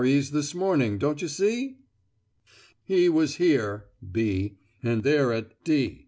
E.'s this morning, don't you see? He was here (B), and they're at D.